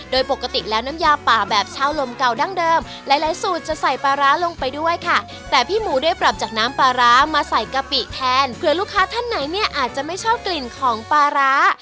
โดยปกติแล้วน้ำยาป่าแบบเช่าลมเก่าดั้งเดิมหลายหลายสูตรจะใส่ปลาร้าลงไปด้วยค่ะแต่พี่หมูได้ปรับจากน้ำปลาร้ามาใส่กะปิแทนเผื่อลูกค้าท่านไหนเนี่ยอาจจะไม่ชอบกลิ่นของปลาร้า